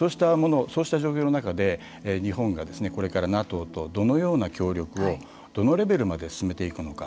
そうした状況の中で日本がこれからＮＡＴＯとどのような協力をどのレベルまで進めていくのか。